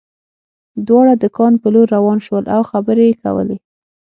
دواړه د کان په لور روان شول او خبرې یې کولې